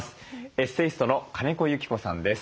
エッセイストの金子由紀子さんです。